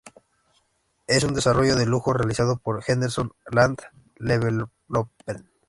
Es un desarrollo de lujo realizado por Henderson Land Development.